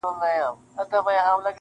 • لا تیاري دي مړې ډېوې نه دي روښانه..